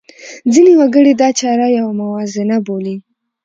ځینې وګړي دا چاره یوه موازنه بولي.